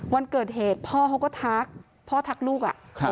วันเกิดเหตุพ่อเขาก็ทักพ่อทักลูก